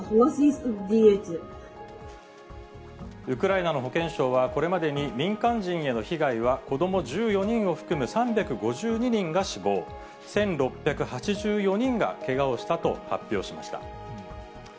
ウクライナの保健省はこれまでに民間人への被害は、子ども１４人を含む３５２人が死亡、１６８４人がけがをしたと発表しました。